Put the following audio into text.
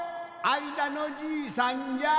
あいだのじいさん？